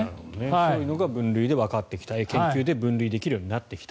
そういうのが分類でわかってきた研究で分類できるようになってきた。